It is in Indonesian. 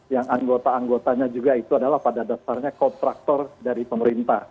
yang anggota anggotanya juga itu adalah pada dasarnya kontraktor dari pemerintah